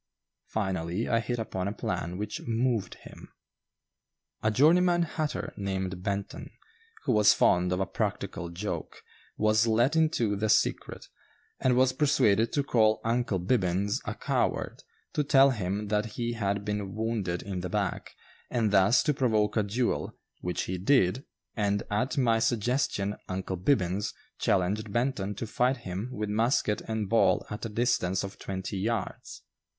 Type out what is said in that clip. Finally, I hit upon a plan which "moved" him. A journeyman hatter, named Benton, who was fond of a practical joke, was let into the secret, and was persuaded to call "Uncle Bibbins" a coward, to tell him that he had been wounded in the back, and thus to provoke a duel, which he did, and at my suggestion "Uncle Bibbins" challenged Benton to fight him with musket and ball at a distance of twenty yards.